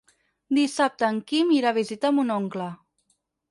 Dissabte en Quim irà a visitar mon oncle.